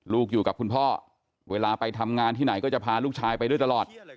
และนายก็จะพาลูกชายไปได้ตลอด